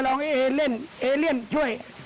ลองเอเลี่ยนช่วย